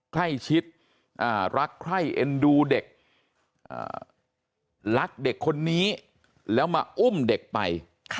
ใกล้ชิดรักใคร่เอ็นดูเด็กรักเด็กคนนี้แล้วมาอุ้มเด็กไป